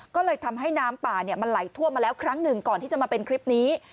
ก็เลยทำให้น้ำป่ามันไหลท่วมมาแล้วครั้งหนึ่งก่อนที่จะมาเป็นคลิปนี้